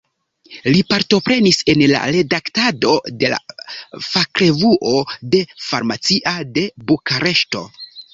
Li partoprenis en la redaktado de la fakrevuo de "Farmacia" de Bukareŝto.